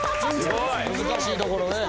・難しいところね。